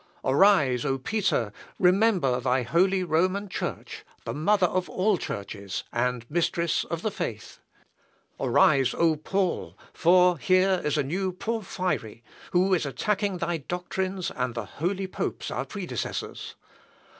Arise, O Peter, remember thy holy Roman Church, the mother of all churches, and mistress of the faith! Arise, O Paul, for here is a new Porphyry, who is attacking thy doctrines and the holy popes our predecessors!